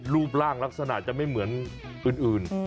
รูปร่างลักษณะจะไม่เหมือนอื่น